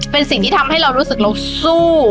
เป็นสิ่งที่ทำให้เรารู้สึกเราสู้